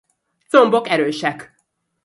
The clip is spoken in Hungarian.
Combok erősek.